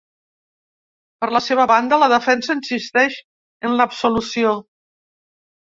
Per la seva banda, la defensa insisteix en l’absolució.